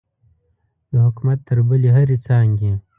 د حکومت تر بلې هرې څانګې.